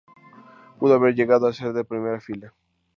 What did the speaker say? Pudo haber llegado a ser de primera fila.